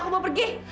ratu tunggu rah